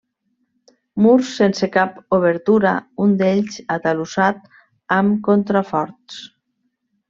Murs sense cap obertura, un d'ells atalussat amb contraforts.